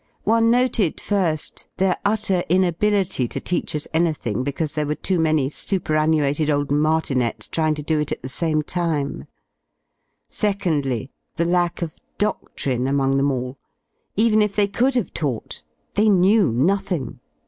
One noted, fir^, their utter inability to teach us anything because there were too many superannuated old martinets trying to do it at the same time; s^ondly, the lack of dodlrine among them all: even if they could have taught, they knew nothing.